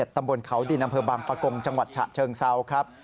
ตำบลเขาดินอำเภอบางปะกงจังหวัดฉะเชิงเซาครับ